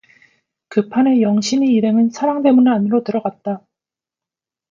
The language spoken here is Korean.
그 판에 영신의 일행은 사랑대문 안으로 들어갔다.